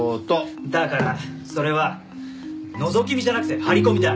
だからそれはのぞき見じゃなくて張り込みだ！